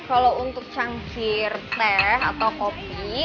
kalau untuk cangkir teh atau kopi